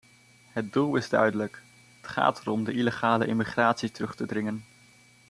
Het doel is duidelijk: het gaat erom de illegale immigratie terug te dringen.